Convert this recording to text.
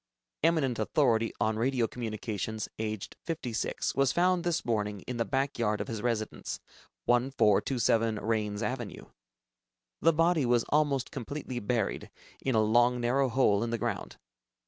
eminent authority on Radio Communications, aged 56, was found this morning in the back yard of his residence, 1427 Raines Avenue. The body was almost completely buried in a long narrow hole in the ground.